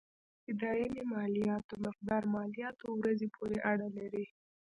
اداينې مالياتو مقدار مالياتو ورځې پورې اړه لري.